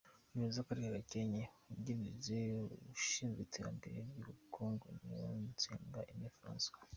Umuyobozi w’Akarere ka Gakenke wungirije ushinzwe iterambere ry’ubukungu, Niyonsenga Aime Francois.